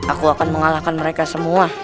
aku akan mengalahkan mereka semua